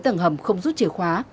trường hầm không rút chìa khóa